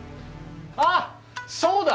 あっそうだ！